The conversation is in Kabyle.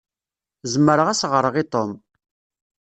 Zemreɣ ad s-ɣṛeɣ i Tom.